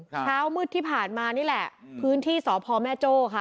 เช้ามืดที่ผ่านมานี่แหละพื้นที่สพแม่โจ้ค่ะ